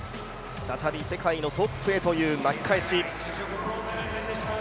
再び世界のトップへという巻き返し。